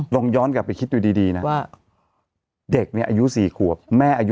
ลองย้อนกลับไปคิดดูดีนะว่าเด็กเนี่ยอายุ๔ขวบแม่อายุ